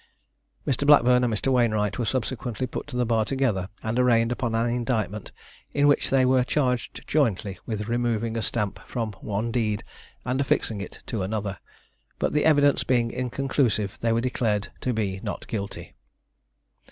Mr. Blackburn and Mr. Wainewright were subsequently put to the bar together and arraigned upon an indictment, in which they were charged jointly with removing a stamp from one deed and affixing it to another, but the evidence being inconclusive, they were declared to be Not guilty.